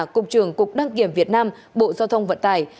cục trưởng cục đăng kiểm việt nam bộ giao thông vận tải